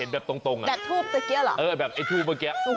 แบบทูบเมื่อกี้